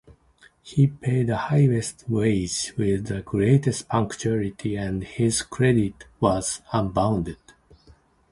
He paid the highest wages with the greatest punctuality, and his credit was unbounded.